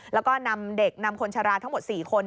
แล้วก็นำเด็กนำคนชะลาทั้งหมด๔คน